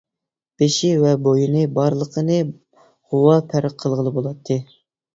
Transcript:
بېشى ۋە بوينى بارلىقىنى غۇۋا پەرق قىلغىلى بولاتتى.